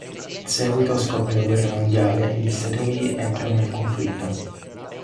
In seguito scoppia la guerra mondiale e gli Stati Uniti entrano nel conflitto.